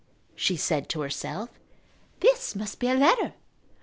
she said to herself. "This must be a letter.